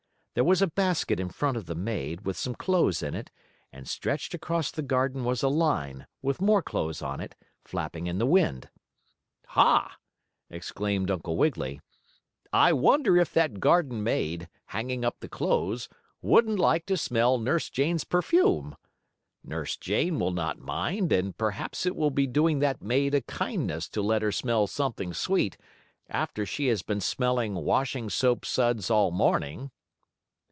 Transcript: There was a basket in front of the maid, with some clothes in it, and stretched across the garden was a line, with more clothes on it, flapping in the wind. "Ha!" exclaimed Uncle Wiggily. "I wonder if that garden maid, hanging up the clothes, wouldn't like to smell Nurse Jane's perfume? Nurse Jane will not mind, and perhaps it will be doing that maid a kindness to let her smell something sweet, after she has been smelling washing soap suds all morning."